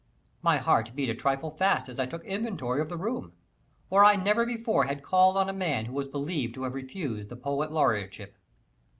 My heart beat a trifle fast as I took inventory of the room; for I never before had called on a man who was believed to have refused the poet laureateship.